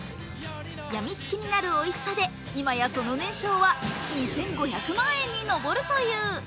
やみつきになるおいしさで、今やその年商は２５００万円に上るという。